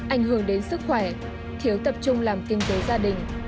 ảnh hưởng đến sức khỏe thiếu tập trung làm kinh tế gia đình